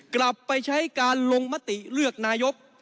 กลับไปใช้การลงมติเลือกนายก